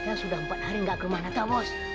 kita sudah empat hari nggak ke rumah natal pak